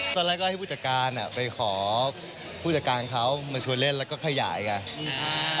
ตอนแรกก็ให้ผู้จัดการอ่ะไปขอผู้จัดการเขามาชวนเล่นแล้วก็ขยายไง